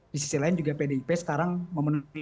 di sisi lain juga pdip sekarang memenuhi